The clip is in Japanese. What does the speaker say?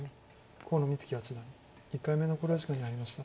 河野光樹八段１回目の考慮時間に入りました。